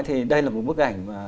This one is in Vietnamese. thì đây là một bức ảnh